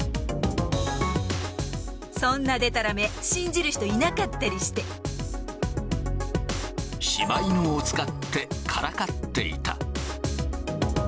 そんなでたらめ、信じる人い柴犬を使ってからかっていた。